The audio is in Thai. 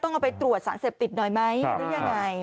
เอาไปตรวจสารเสพติดหน่อยไหมหรือยังไง